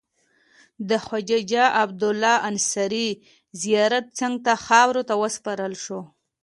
د خواجه عبدالله انصاري زیارت څنګ ته خاورو ته وسپارل شو.